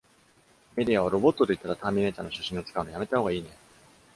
メディアはロボットと言ったらターミネーターの写真を使うの、止めたほうがいいね。